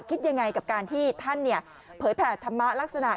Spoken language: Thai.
คิดยังไงกับการที่ท่านเผยแผ่ธรรมะลักษณะ